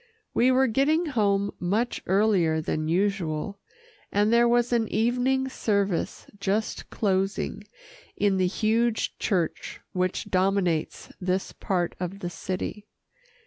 We were getting home much earlier than usual, and there was an evening service just closing in the huge church which dominates this part of the city.